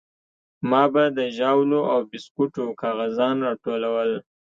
ما به د ژاولو او بيسکوټو کاغذان راټولول.